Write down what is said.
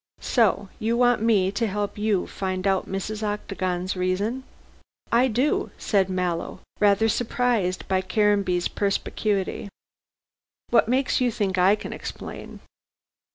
"So you want me to help you to find out Mrs. Octagon's reason?" "I do," said Mallow, rather surprised by Caranby's perspicuity. "What makes you think I can explain?"